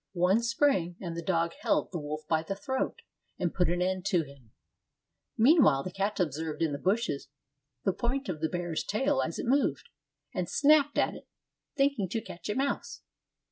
One spring, and the dog held the wolf by the throat, and put an end to him. Meanwhile the cat observed in the bushes the point of the bear's tail as it moved, and snapped at it, thinking to catch a mouse.